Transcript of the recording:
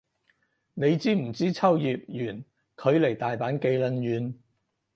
你知唔知秋葉原距離大阪幾撚遠